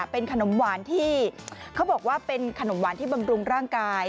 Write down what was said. เป็นขนมหวานที่เขาบอกว่าเป็นขนมหวานที่บำรุงร่างกาย